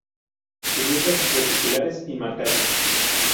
Grietas reticulares y marcadas.